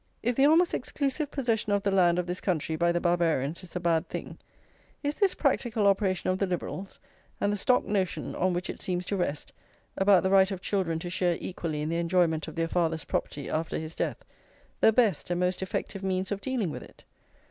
If the almost exclusive possession of the land of this country by the Barbarians is a bad thing, is this practical operation of the Liberals, and the stock notion, on which it seems to rest, about the right of children to share equally in the enjoyment of their father's property after his death, the best and most effective means of dealing with it?